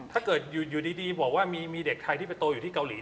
ถ้าเกิดอยู่ดีบอกว่ามีเด็กไทยที่ไปโตอยู่ที่เกาหลี